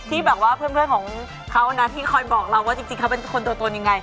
ที่แบบว่าเพื่อนของเขานะที่คอยบอกเราว่าจริงเขาเป็นคนตัวตนยังไง